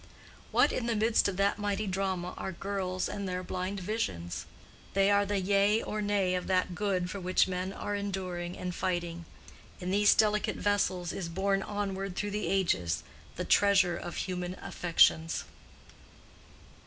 What in the midst of that mighty drama are girls and their blind visions? They are the Yea or Nay of that good for which men are enduring and fighting. In these delicate vessels is borne onward through the ages the treasure of human affections.